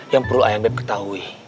yang perlu ayang beb ketahui